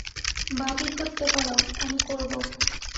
বাজি ধরতে পারো, আমি করব।